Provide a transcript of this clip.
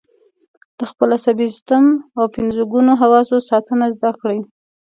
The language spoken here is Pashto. د خپل عصبي سیستم او پنځه ګونو حواسو ساتنه زده کړئ.